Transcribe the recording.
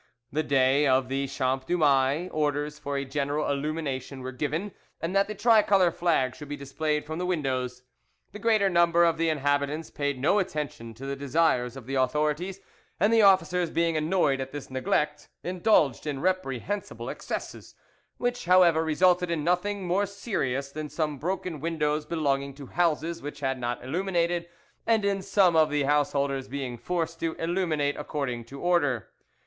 "The day of the Champ du Mai orders for a general illumination were given, and that the tricolour flag should be displayed from the windows. The greater number of the inhabitants paid no attention to the desires of the authorities, and the officers being annoyed at this neglect, indulged in reprehensible excesses, which, however, resulted in nothing mare serious than some broken windows belonging to houses which had not illuminated, and in some of the householders being forced to illuminate according to order.